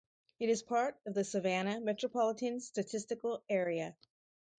It is part of the Savannah Metropolitan Statistical Area.